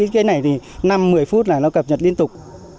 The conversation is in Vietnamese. cái này thì năm một mươi phút là nó cập nhật liên tục